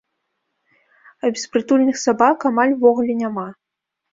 А беспрытульных сабак амаль увогуле няма.